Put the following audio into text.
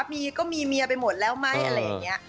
มีก็มีเมียไปหมดแล้วไหมอะไรอย่างนี้